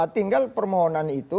tinggal permohonan itu